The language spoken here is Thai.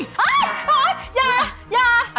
เฮ้ยพอร์ตอย่าอย่า